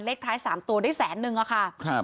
เลขท้าย๓ตัวได้แสนนึงอะค่ะ